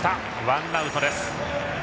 ワンアウトです。